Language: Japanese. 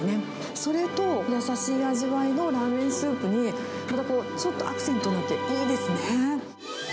それと優しい味わいのラーメンスープに、ちょっとアクセントになって、いいですね。